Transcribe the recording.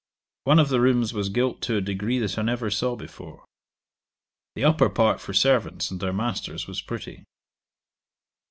One of the rooms was gilt to a degree that I never saw before. The upper part for servants and their masters was pretty.